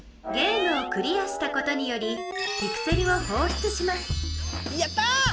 ゲームをクリアしたことによりピクセルをほうしゅつしますやったぁ！